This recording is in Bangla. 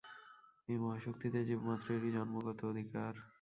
এই মহাশক্তিতে জীবমাত্রেরই জন্মগত অধিকার।